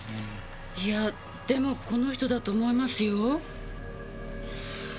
いやでもこの人だと思いますよ？